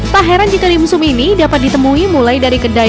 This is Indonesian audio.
tak heran jika dimsum ini dapat ditemui mulai dari kedai